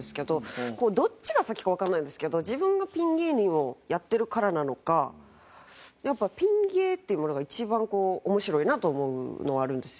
こうどっちが先かわかんないんですけど自分がピン芸人をやってるからなのかやっぱピン芸っていうものが一番こう面白いなと思うのはあるんですよね。